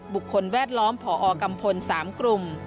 บุคคลแวดล้อมผอกัมพล๓กลุ่ม